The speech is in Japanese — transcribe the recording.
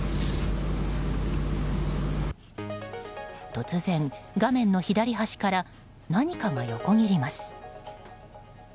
突然、画面の左端から何かが横切ります。